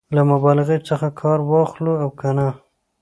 له مبالغې څخه کار واخلو او که نه؟